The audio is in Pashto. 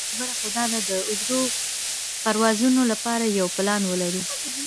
ښه خبره خو داده د اوږدو پروازونو لپاره یو پلان ولرو.